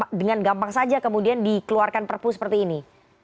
maksudnya putusan kemudian dengan gampang saja kemudian dikeluarkan perpu seperti ini